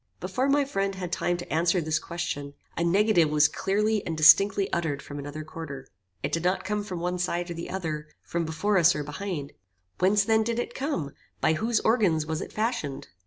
Before my friend had time to answer this question, a negative was clearly and distinctly uttered from another quarter. It did not come from one side or the other, from before us or behind. Whence then did it come? By whose organs was it fashioned?